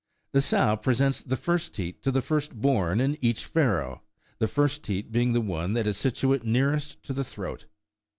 The sow presents the first teat to the first born in each farrow, the first teat being the one that is situate nearest to the throat.